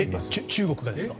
中国がですか？